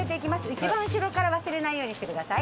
一番後ろから忘れないようにしてください。